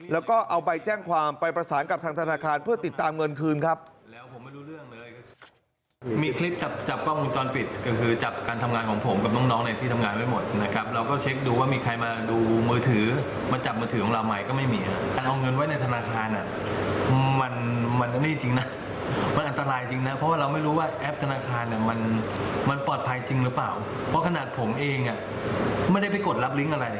แล้วก็เอาใบแจ้งความไปประสานกับทางธนาคารเพื่อติดตามเงินคืนครับ